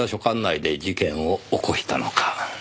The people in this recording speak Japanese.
管内で事件を起こしたのか？